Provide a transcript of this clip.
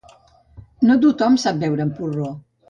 No tothom sap beure amb porró.